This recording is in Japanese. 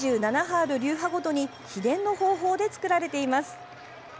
２７派ある流派ごとに秘伝の方法で作られています。